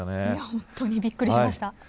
本当にびっくりしました。